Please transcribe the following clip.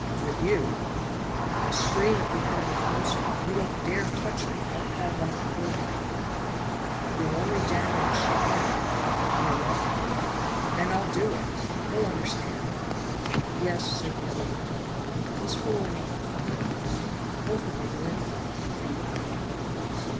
"With you!" "I'll scream if you come any closer. You don't dare touch me; I'll call Dr. Horker." "You'll only damage him your lover." "Then I'll do it! He'll understand." "Yes," said the other reflectively. "He's fool enough to forgive you. He'll forgive you anything the weakling!"